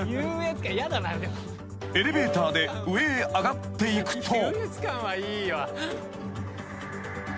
［エレベーターで上へ上がっていくと］